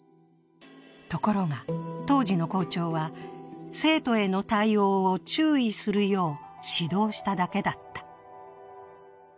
ところが、当時の校長は生徒への対応を注意するよう指導しただけだった。